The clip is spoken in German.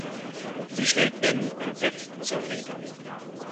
Sie stellt Ben entsetzt zur Rede.